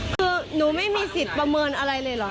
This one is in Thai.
คือหนูไม่มีสิทธิ์ประเมินอะไรเลยเหรอ